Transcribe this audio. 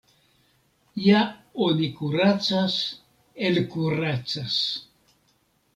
Ja oni kuracas, elkuracas.